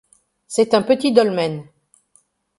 C'est un petit dolmen.